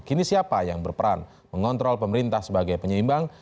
kini siapa yang berperan mengontrol pemerintah sebagai penyeimbang